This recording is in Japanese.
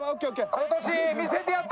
今年見せてやって！